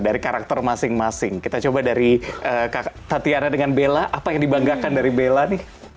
dari karakter masing masing kita coba dari tatiana dengan bella apa yang dibanggakan dari bella nih